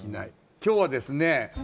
今日はですね